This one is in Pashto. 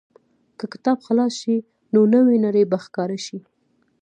که کتاب خلاص شي، نو نوې نړۍ به ښکاره شي.